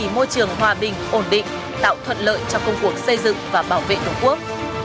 môi trường hòa bình ổn định tạo thuận lợi cho công cuộc xây dựng và bảo vệ tổ quốc